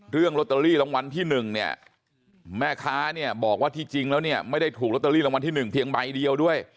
เรื่องลอตเตอรี่รางวัลที่๑เนี่ยแม่ค้าเนี่ยบอกว่าที่จริงแล้วเนี่ยไม่ได้ถูกลอตเตอรี่รางวัลที่๑เพียงใบเดียวด้วย